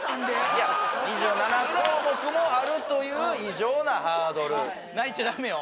いや２７項目もあるという異常なハードル泣いちゃダメよ